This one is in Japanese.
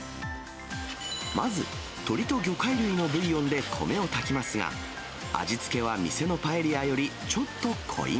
まず、鶏と魚介類のブイヨンで米を炊きますが、味付けは店のパエリアよりちょっと濃いめ。